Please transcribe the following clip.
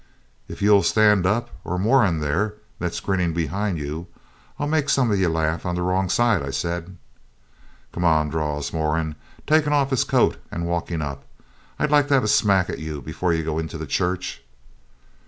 'If you'll stand up, or Moran there, that's grinning behind you, I'll make some of ye laugh on the wrong side,' I said. 'Come on,' drawls Moran, taking off his coat, and walking up; 'I'd like to have a smack at you before you go into the Church.'